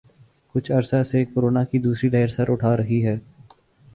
کچھ عرصہ سے کورونا کی دوسری لہر سر اٹھا رہی ہے